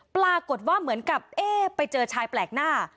ปรากฏว่าเหมือนกับเอ๊ะไปเจอชายแปลกหน้า